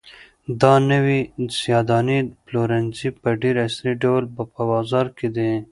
دا نوی د سیاه دانې پلورنځی په ډېر عصري ډول په بازار کې دی.